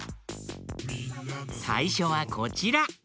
さいしょはこちら！